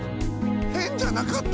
変じゃなかった？